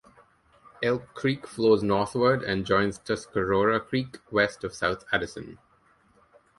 Elk Creek flows northward and joins Tuscarora Creek west of South Addison.